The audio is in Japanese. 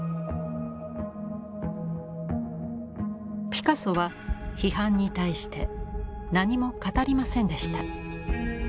ピカソは批判に対して何も語りませんでした。